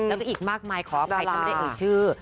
แล้วก็อีกมากมายขออภัยที่ไม่ได้เอ่ยชื่อ